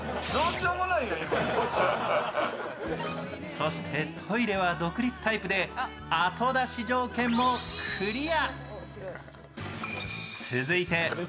そしてトイレは独立タイプであと出し条件もクリア。